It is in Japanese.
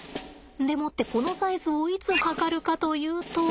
でもってこのサイズをいつ測るかというと。